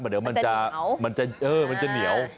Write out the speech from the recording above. เออมันจะเหนียว